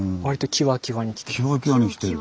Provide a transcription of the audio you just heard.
キワキワに来てる。